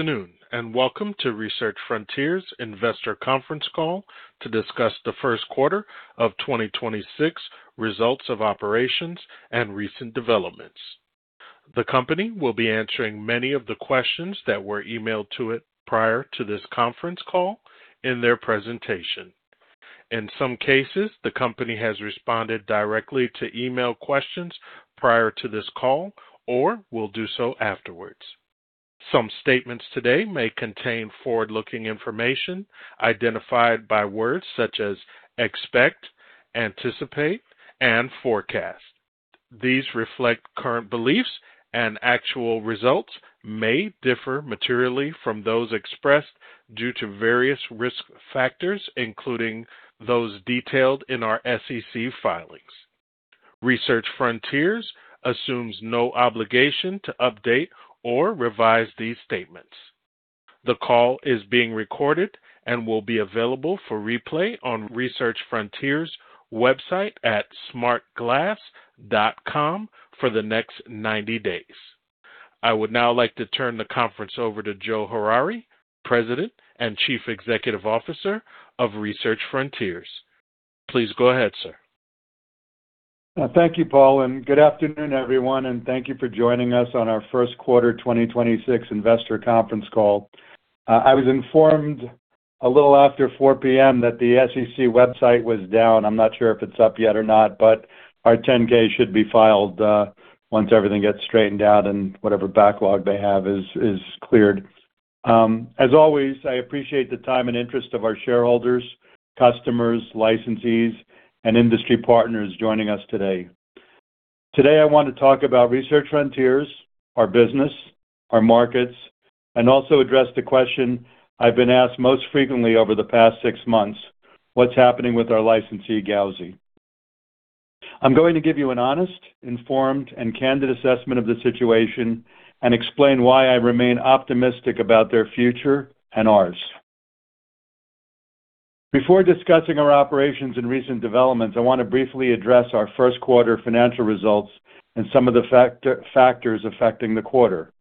Afternoon, welcome to Research Frontiers investor conference call to discuss the Q1 of 2026 results of operations and recent developments. The company will be answering many of the questions that were emailed to it prior to this conference call in their presentation. In some cases, the company has responded directly to email questions prior to this call or will do so afterwards. Some statements today may contain forward-looking information identified by words such as expect, anticipate, and forecast. These reflect current beliefs and actual results may differ materially from those expressed due to various risk factors, including those detailed in our SEC filings. Research Frontiers assumes no obligation to update or revise these statements. The call is being recorded and will be available for replay on Research Frontiers website at smartglass.com for the next 90 days. I would now like to turn the conference over to Joe Harary, President and Chief Executive Officer of Research Frontiers. Please go ahead, sir. Thank you, Paul, and good afternoon, everyone, and thank you for joining us on our Q1 2026 investor conference call. I was informed a little after 4:00 P.M. that the SEC website was down. I'm not sure if it's up yet or not, but our 10-K should be filed once everything gets straightened out and whatever backlog they have is cleared. As always, I appreciate the time and interest of our shareholders, customers, licensees, and industry partners joining us today. Today, I want to talk about Research Frontiers, our business, our markets, and also address the question I've been asked most frequently over the past six months, "What's happening with our licensee, Gauzy." I'm going to give you an honest, informed, and candid assessment of the situation and explain why I remain optimistic about their future and ours. Before discussing our operations and recent developments, I want to briefly address our Q1 financial results and some of the factors affecting the quarter.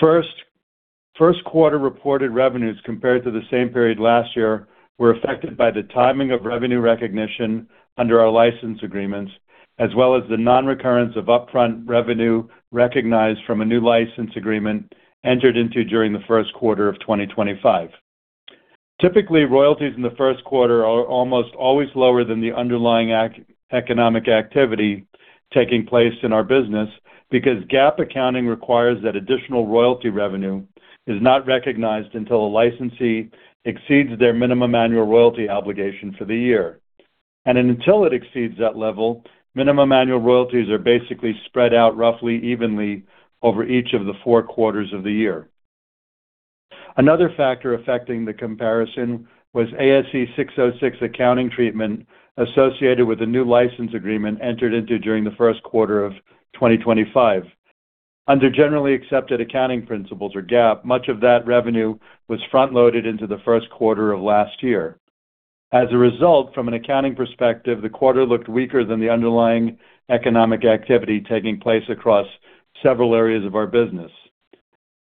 First, Q1 reported revenues compared to the same period last year were affected by the timing of revenue recognition under our license agreements, as well as the non-recurrence of upfront revenue recognized from a new license agreement entered into during the Q1 of 2025. Typically, royalties in the Q1 are almost always lower than the underlying economic activity taking place in our business because GAAP accounting requires that additional royalty revenue is not recognized until a licensee exceeds their minimum annual royalty obligation for the year. Until it exceeds that level, minimum annual royalties are basically spread out roughly evenly over each of the four quarters of the year. Another factor affecting the comparison was ASC 606 accounting treatment associated with a new license agreement entered into during the Q1 of 2025. Under generally accepted accounting principles, or GAAP, much of that revenue was front-loaded into the Q1 of last year. As a result, from an accounting perspective, the quarter looked weaker than the underlying economic activity taking place across several areas of our business.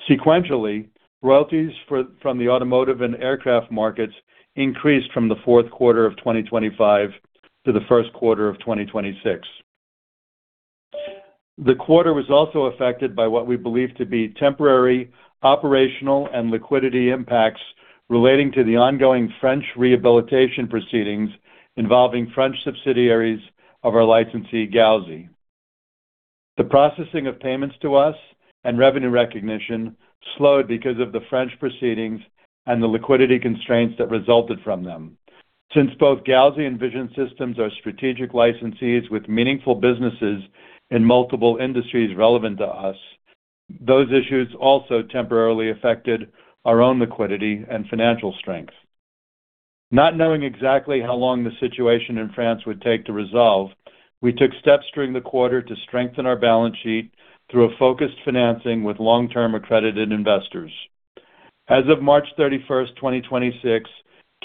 Sequentially, royalties from the automotive and aircraft markets increased from the fourth quarter of 2025 to the Q1 of 2026. The quarter was also affected by what we believe to be temporary operational and liquidity impacts relating to the ongoing French rehabilitation proceedings involving French subsidiaries of our licensee, Gauzy. The processing of payments to us and revenue recognition slowed because of the French proceedings and the liquidity constraints that resulted from them. Since both Gauzy and Vision Systems are strategic licensees with meaningful businesses in multiple industries relevant to us, those issues also temporarily affected our own liquidity and financial strength. Not knowing exactly how long the situation in France would take to resolve, we took steps during the quarter to strengthen our balance sheet through a focused financing with long-term accredited investors. As of March 31st, 2026,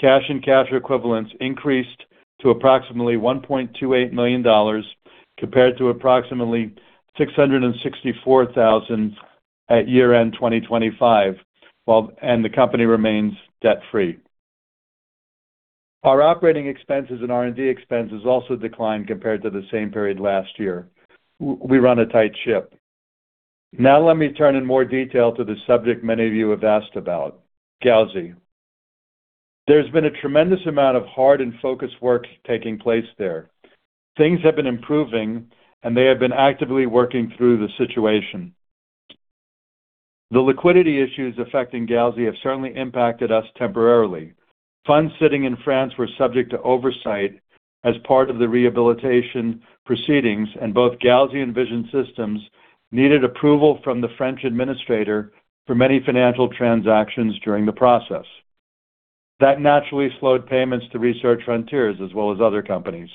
cash and cash equivalents increased to approximately $1.28 million compared to approximately $664,000 at year-end 2025, while the company remains debt-free. Our operating expenses and R&D expenses also declined compared to the same period last year. We run a tight ship. Let me turn in more detail to the subject many of you have asked about, Gauzy. There's been a tremendous amount of hard and focused work taking place there. Things have been improving, and they have been actively working through the situation. The liquidity issues affecting Gauzy have certainly impacted us temporarily. Funds sitting in France were subject to oversight as part of the rehabilitation proceedings, and both Gauzy and Vision Systems needed approval from the French administrator for many financial transactions during the process. That naturally slowed payments to Research Frontiers as well as other companies.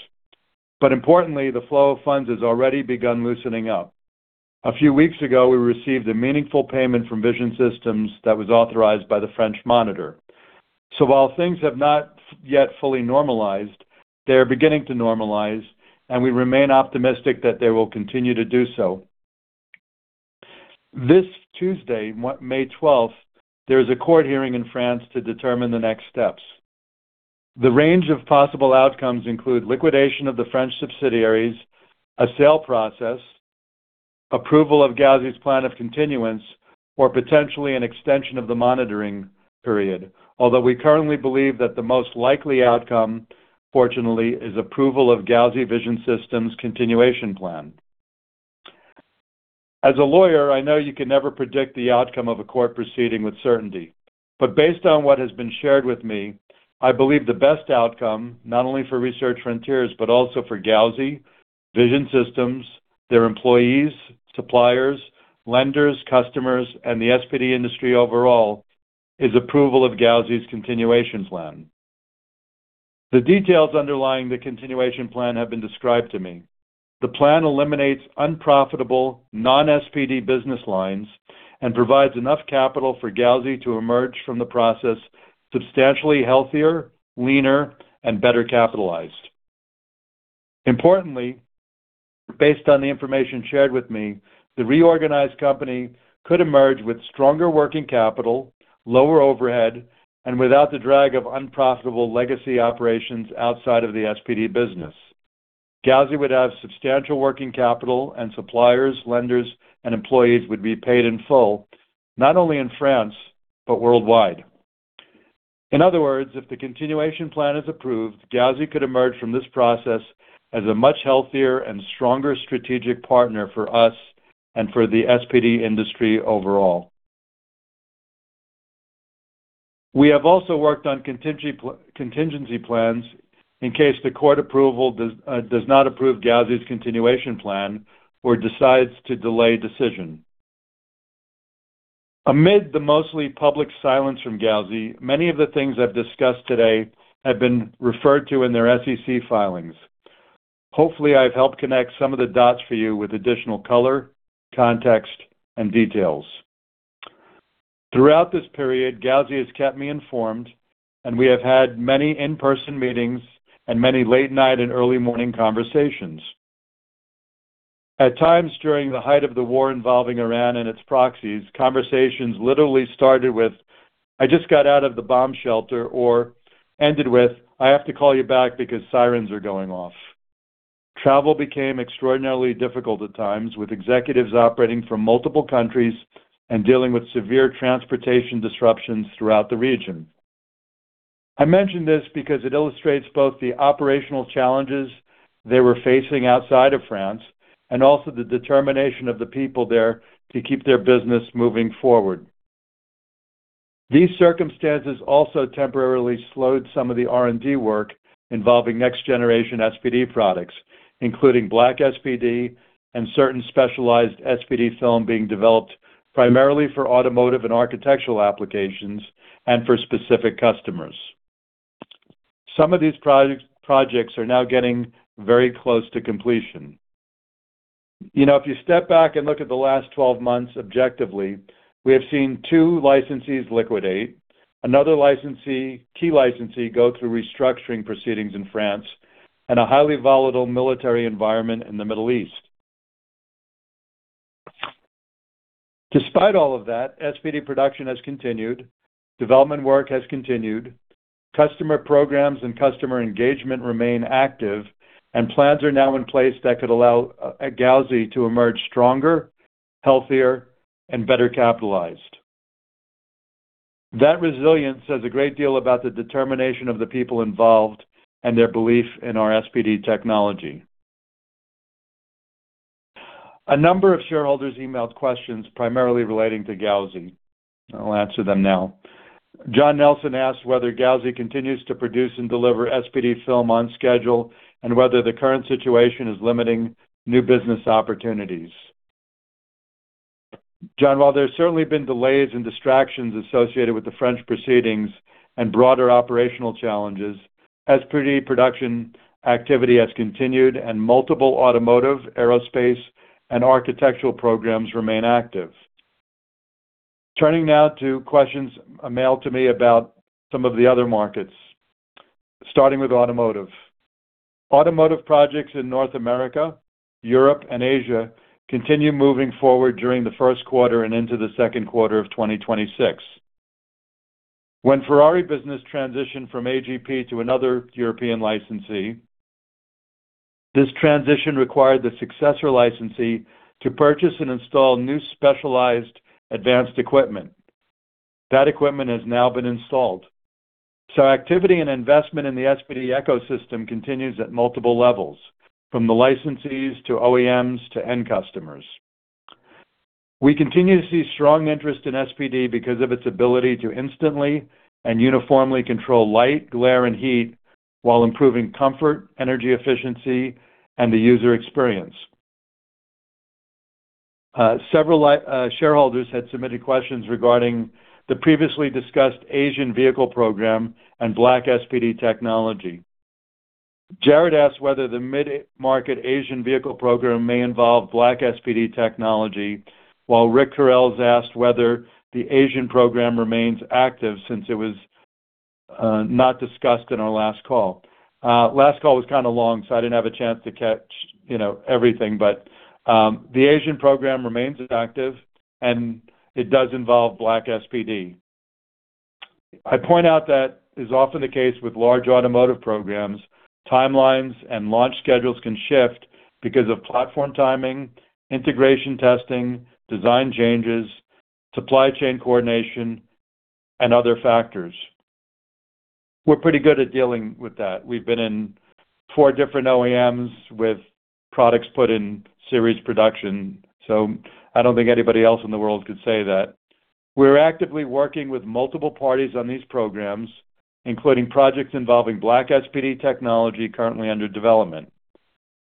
Importantly, the flow of funds has already begun loosening up. A few weeks ago, we received a meaningful payment from Vision Systems that was authorized by the French monitor. While things have not yet fully normalized, they are beginning to normalize, and we remain optimistic that they will continue to do so. This Tuesday, May 12th, 2026 there is a court hearing in France to determine the next steps. The range of possible outcomes include liquidation of the French subsidiaries, a sale process, approval of Gauzy's plan of continuance, or potentially an extension of the monitoring period. We currently believe that the most likely outcome, fortunately, is approval of Gauzy Vision Systems' continuation plan. As a lawyer, I know you can never predict the outcome of a court proceeding with certainty. Based on what has been shared with me, I believe the best outcome, not only for Research Frontiers, but also for Gauzy, Vision Systems, their employees, suppliers, lenders, customers, and the SPD industry overall, is approval of Gauzy's continuation plan. The details underlying the continuation plan have been described to me. The plan eliminates unprofitable, non-SPD business lines and provides enough capital for Gauzy to emerge from the process substantially healthier, leaner, and better capitalized. Importantly, based on the information shared with me, the reorganized company could emerge with stronger working capital, lower overhead, and without the drag of unprofitable legacy operations outside of the SPD business. Gauzy would have substantial working capital, suppliers, lenders, and employees would be paid in full, not only in France, but worldwide. In other words, if the continuation plan is approved, Gauzy could emerge from this process as a much healthier and stronger strategic partner for us and for the SPD industry overall. We have also worked on contingency plans in case the court approval does not approve Gauzy's continuation plan or decides to delay decision. Amid the mostly public silence from Gauzy, many of the things I've discussed today have been referred to in their SEC filings. Hopefully, I've helped connect some of the dots for you with additional color, context, and details. Throughout this period, Gauzy has kept me informed, and we have had many in-person meetings and many late-night and early-morning conversations. At times during the height of the war involving Iran and its proxies, conversations literally started with, I just got out of the bomb shelter, or ended with, I have to call you back because sirens are going off. Travel became extraordinarily difficult at times, with executives operating from multiple countries and dealing with severe transportation disruptions throughout the region. I mention this because it illustrates both the operational challenges they were facing outside of France and also the determination of the people there to keep their business moving forward. These circumstances also temporarily slowed some of the R&D work involving next-generation SPD products, including black SPD and certain specialized SPD film being developed primarily for automotive and architectural applications and for specific customers. Some of these projects are now getting very close to completion. You know, if you step back and look at the last 12 months objectively, we have seen two licensees liquidate, another licensee, key licensee go through restructuring proceedings in France, and a highly volatile military environment in the Middle East. Despite all of that, SPD production has continued, development work has continued, customer programs and customer engagement remain active, and plans are now in place that could allow Gauzy to emerge stronger, healthier, and better capitalized. That resilience says a great deal about the determination of the people involved and their belief in our SPD technology. A number of shareholders emailed questions primarily relating to Gauzy. I'll answer them now. John Nelson asked whether Gauzy continues to produce and deliver SPD film on schedule and whether the current situation is limiting new business opportunities. John, while there's certainly been delays and distractions associated with the French proceedings and broader operational challenges, SPD production activity has continued and multiple automotive, aerospace, and architectural programs remain active. Turning now to questions mailed to me about some of the other markets, starting with automotive. Automotive projects in North America, Europe, and Asia continue moving forward during the Q1 and into the second quarter of 2026. When Ferrari business transitioned from AGP to another European licensee, this transition required the successor licensee to purchase and install new specialized advanced equipment. That equipment has now been installed. Activity and investment in the SPD ecosystem continues at multiple levels, from the licensees to OEMs to end customers. We continue to see strong interest in SPD because of its ability to instantly and uniformly control light, glare, and heat while improving comfort, energy efficiency, and the user experience. Several shareholders had submitted questions regarding the previously discussed Asian vehicle program and black SPD technology. Jared asked whether the mid market Asian vehicle program may involve black SPD technology, while Rick Corrales asked whether the Asian program remains active since it was not discussed in our last call. Last call was kind of long, so I didn't have a chance to catch, you know, everything, but the Asian program remains active, and it does involve black SPD. I point out that is often the case with large automotive programs, timelines and launch schedules can shift because of platform timing, integration testing, design changes, supply chain coordination, and other factors. We're pretty good at dealing with that. We've been in four different OEMs with products put in series production, so I don't think anybody else in the world could say that. We're actively working with multiple parties on these programs, including projects involving black SPD technology currently under development.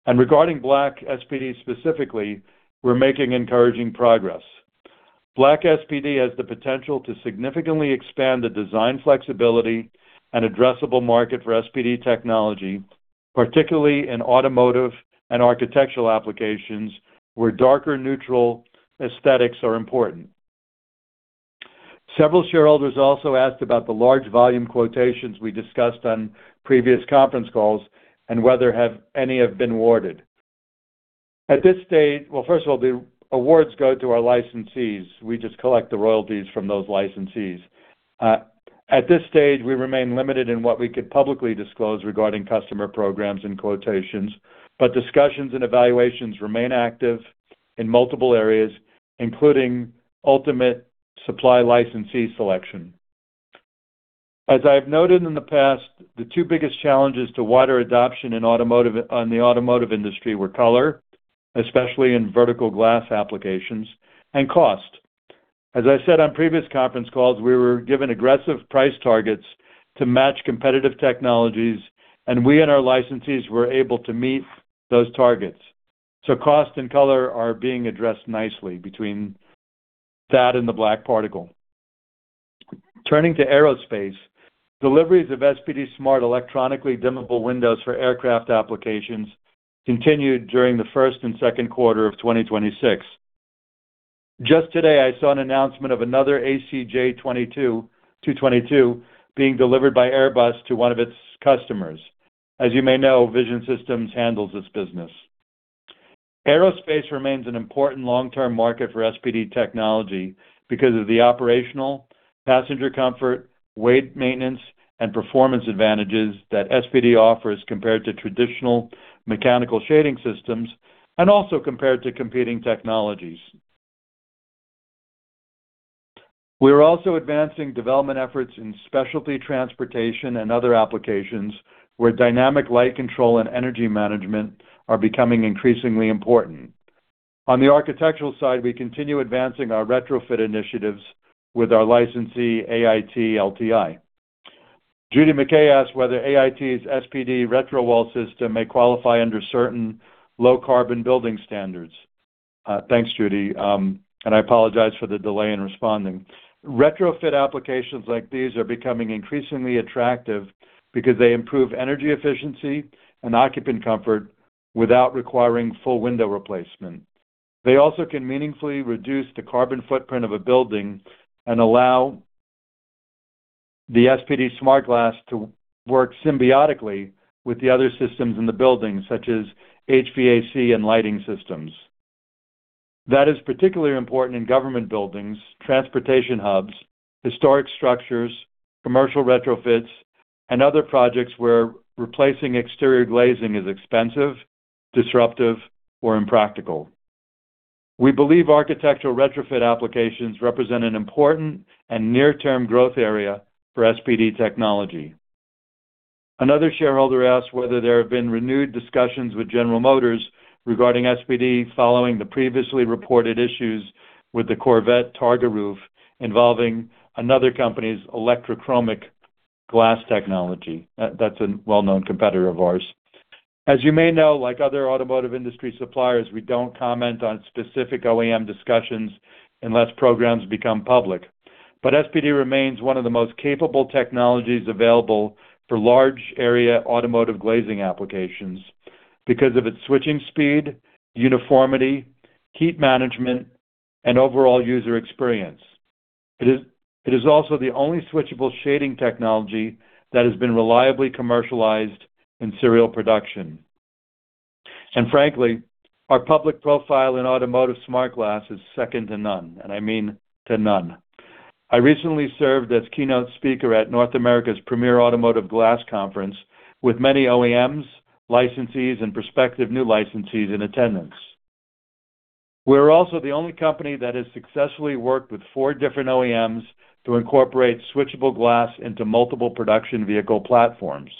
Regarding black SPD specifically, we're making encouraging progress. Black SPD has the potential to significantly expand the design flexibility and addressable market for SPD technology, particularly in automotive and architectural applications where darker neutral aesthetics are important. Several shareholders also asked about the large volume quotations we discussed on previous conference calls and whether any have been awarded. At this stage Well, first of all, the awards go to our licensees. We just collect the royalties from those licensees. At this stage, we remain limited in what we could publicly disclose regarding customer programs and quotations, but discussions and evaluations remain active in multiple areas, including ultimate supply licensee selection. As I've noted in the past, the two biggest challenges to wider adoption in the automotive industry were color, especially in vertical glass applications, and cost. As I said on previous conference calls, we were given aggressive price targets to match competitive technologies, and we and our licensees were able to meet those targets. Cost and color are being addressed nicely between that and the black SPD. Turning to aerospace, deliveries of SPD-SmartGlass for aircraft applications continued during the Q1 and Q2 of 2026. Just today, I saw an announcement of another ACJ TwoTwenty being delivered by Airbus to one of its customers. As you may know, Vision Systems handles this business. Aerospace remains an important long-term market for SPD technology because of the operational, passenger comfort, weight maintenance, and performance advantages that SPD offers compared to traditional mechanical shading systems, and also compared to competing technologies. We are also advancing development efforts in specialty transportation and other applications where dynamic light control and energy management are becoming increasingly important. On the architectural side, we continue advancing our retrofit initiatives with our licensee, AIT LTI. Judy McKay asked whether AIT's SPD RetroWAL system may qualify under certain low carbon building standards. Thanks, Judy, I apologize for the delay in responding. Retrofit applications like these are becoming increasingly attractive because they improve energy efficiency and occupant comfort without requiring full window replacement. They also can meaningfully reduce the carbon footprint of a building and allow the SPD-SmartGlass to work symbiotically with the other systems in the building, such as HVAC and lighting systems. That is particularly important in government buildings, transportation hubs, historic structures, commercial retrofits, and other projects where replacing exterior glazing is expensive, disruptive, or impractical. We believe architectural retrofit applications represent an important and near-term growth area for SPD technology. Another shareholder asked whether there have been renewed discussions with General Motors regarding SPD following the previously reported issues with the Corvette Targa Roof involving another company's electrochromic glass technology. That's a well-known competitor of ours. As you may know, like other automotive industry suppliers, we don't comment on specific OEM discussions unless programs become public. SPD remains one of the most capable technologies available for large area automotive glazing applications because of its switching speed, uniformity, heat management, and overall user experience. It is also the only switchable shading technology that has been reliably commercialized in serial production. Frankly, our public profile in automotive smart glass is second to none, and I mean to none. I recently served as keynote speaker at North America's Premier Automotive Glass Conference with many OEMs, licensees, and prospective new licensees in attendance. We're also the only company that has successfully worked with four different OEMs to incorporate switchable glass into multiple production vehicle platforms.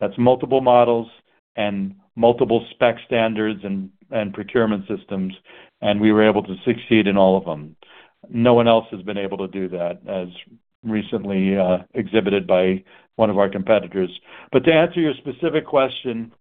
That's multiple models and multiple spec standards and procurement systems, and we were able to succeed in all of them. No one else has been able to do that as recently exhibited by one of our competitors. To answer your specific question,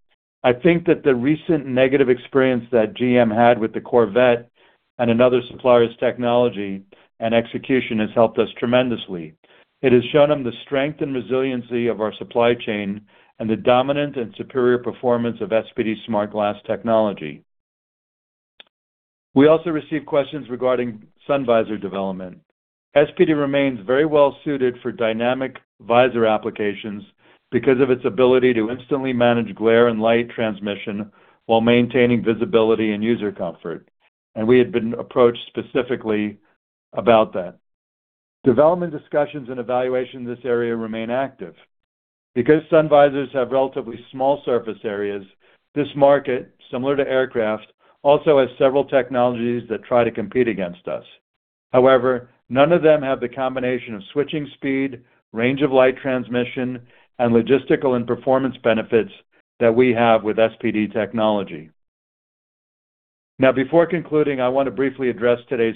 I think that the recent negative experience that GM had with the Corvette and another supplier's technology and execution has helped us tremendously. It has shown them the strength and resiliency of our supply chain and the dominant and superior performance of SPD-SmartGlass technology. We also received questions regarding sun visor development. SPD remains very well-suited for dynamic visor applications because of its ability to instantly manage glare and light transmission while maintaining visibility and user comfort, and we had been approached specifically about that. Development discussions and evaluation in this area remain active. Because sun visors have relatively small surface areas, this market, similar to aircraft, also has several technologies that try to compete against us. However, none of them have the combination of switching speed, range of light transmission, and logistical and performance benefits that we have with SPD technology. Before concluding, I want to briefly address today's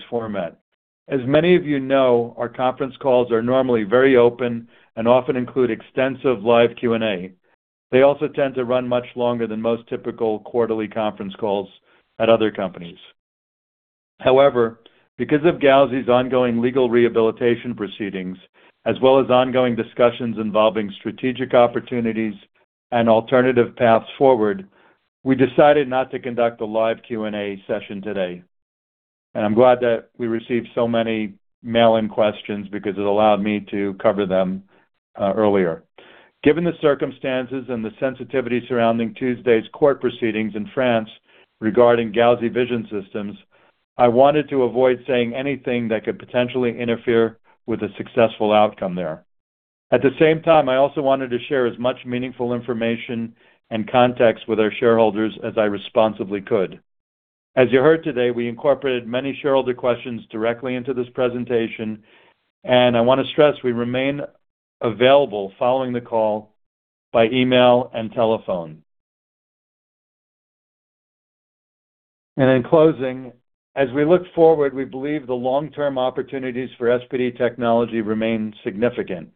format. As many of you know, our conference calls are normally very open and often include extensive live Q&A. They also tend to run much longer than most typical quarterly conference calls at other companies. However, because of Gauzy's ongoing legal rehabilitation proceedings, as well as ongoing discussions involving strategic opportunities and alternative paths forward, we decided not to conduct a live Q&A session today. I'm glad that we received so many mail-in questions because it allowed me to cover them earlier. Given the circumstances and the sensitivity surrounding Tuesday's court proceedings in France regarding Gauzy Vision Systems, I wanted to avoid saying anything that could potentially interfere with a successful outcome there. At the same time, I also wanted to share as much meaningful information and context with our shareholders as I responsibly could. As you heard today, we incorporated many shareholder questions directly into this presentation. I want to stress we remain available following the call by email and telephone. In closing, as we look forward, we believe the long-term opportunities for SPD technology remain significant.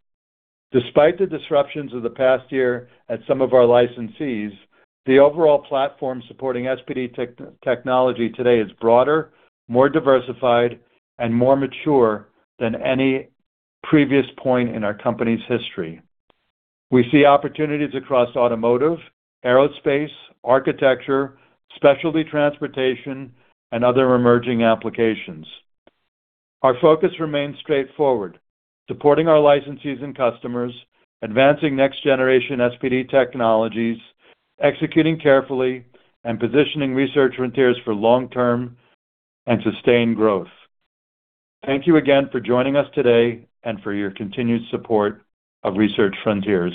Despite the disruptions of the past year at some of our licensees, the overall platform supporting SPD technology today is broader, more diversified, and more mature than any previous point in our company's history. We see opportunities across automotive, aerospace, architecture, specialty transportation, and other emerging applications. Our focus remains straightforward, supporting our licensees and customers, advancing next generation SPD technologies, executing carefully, and positioning Research Frontiers for long-term and sustained growth. Thank you again for joining us today and for your continued support of Research Frontiers.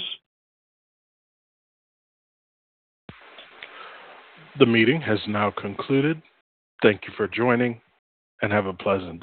The meeting has now concluded. Thank you for joining, and have a pleasant day.